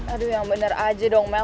aduh yang bener aja dong mel